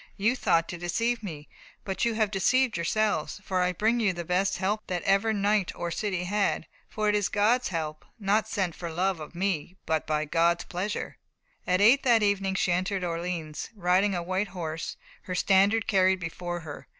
You thought to deceive me, but you have deceived yourselves, for I bring you the best help that ever knight or city had; for it is God's help, not sent for love of me, but by God's pleasure." At eight that evening she entered Orleans, riding a white horse, her standard carried before her.